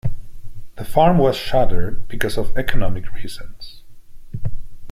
The farm was shuttered because of economic reasons.